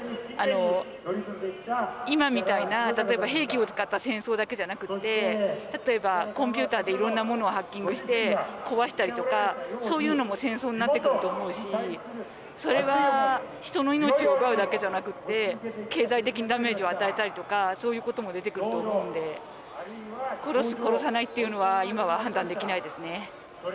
あの今みたいな例えば兵器を使った戦争だけじゃなくって例えばコンピューターで色んなものをハッキングして壊したりとかそういうのも戦争になってくると思うしそれは人の命を奪うだけじゃなくって経済的にダメージを与えたりとかそういうことも出てくると思うんで殺す殺さないっていうのは今は判断できないですね